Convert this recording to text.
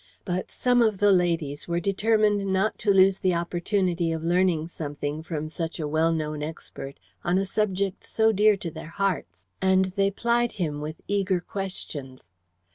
But some of the ladies were determined not to lose the opportunity of learning something from such a well known expert on a subject so dear to their hearts, and they plied him with eager questions.